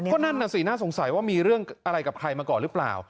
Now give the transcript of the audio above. ก็นั่นน่ะสิน่าสงสัยว่ามีเรื่องอะไรกับใครมาก่อนหรือเปล่า